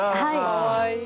かわいい。